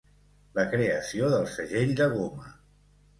La creació del segell de goma.